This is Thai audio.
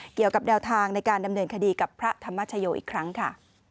เกี่ยวกับแนวทางในการดำเนินคดีกับพระธรรมชโยอีกครั้งค่ะ